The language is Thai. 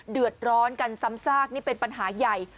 เดือดร้อนกันซ้ำซากนี่เป็นปัญหาใหญ่